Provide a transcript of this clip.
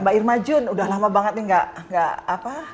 mbak irma jun udah lama banget nih